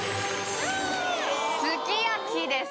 すき焼きです